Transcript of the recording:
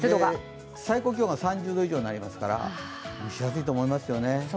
最高気温が３０度以上になりますから蒸し暑いと思いますよね。